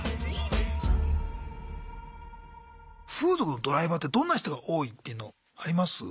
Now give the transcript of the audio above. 風俗のドライバーってどんな人が多いっていうのあります？